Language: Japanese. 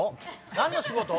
「何の仕事」？